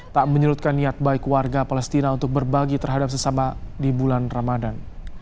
tak menyerutkan niat baik warga palestina untuk berbagi terhadap sesama di bulan ramadan